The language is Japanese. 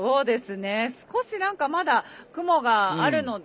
少し、まだ雲があるので。